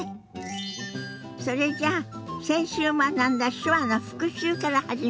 それじゃあ先週学んだ手話の復習から始めましょ。